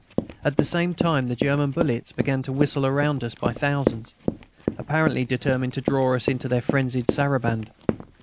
At the same time the German bullets began to whistle round us by thousands, apparently determined to draw us into their frenzied saraband.